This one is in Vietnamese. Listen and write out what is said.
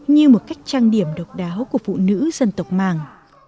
như một cách trang điểm độc đáo của phụ nữ dân tộc mạng